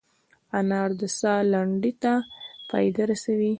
انار د ساه لنډۍ ته فایده رسوي.